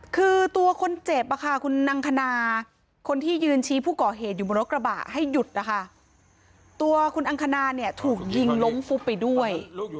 คือตัวคนเจ็บคุณอังคณาคนที่ยืนชี้ผู้ก่อเหตุอยู่บนรถกระบะให้หยุดนะคะตัวคุณอังคณาเนี่ยถูกยิงล้มฟุบไปด้วย